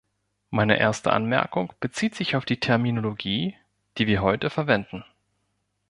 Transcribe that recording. Meine erste Anmerkung bezieht sich auf die Terminologie, die wir heute verwenden.